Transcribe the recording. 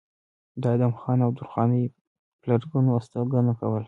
د ادم خان او درخانۍ پلرګنو استوګنه کوله